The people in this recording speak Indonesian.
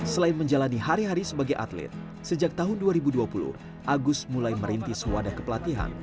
selain menjalani hari hari sebagai atlet sejak tahun dua ribu dua puluh agus mulai merintis wadah kepelatihan